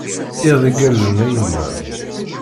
Iḍ igerrzen a yemma!